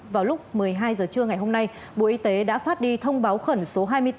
vào lúc một mươi hai h trưa ngày hôm nay bộ y tế đã phát đi thông báo khẩn số hai mươi bốn